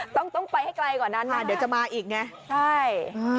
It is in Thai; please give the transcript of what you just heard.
ต้องไปให้ไกลกว่านั้นนะเดี๋ยวจะมาอีกไงใช่